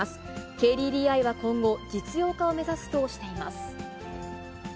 ＫＤＤＩは今後、実用化を目指すとしています。